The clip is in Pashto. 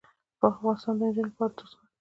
دافغانستان د نجونو لپاره دوزخ دې